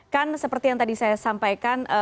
kan seperti yang tadi saya sampaikan